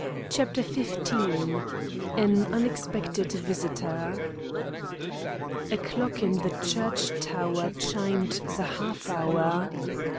CHAPTER XV AN UNEXPECTED VISITOR A clock in the church tower chimed the half hour.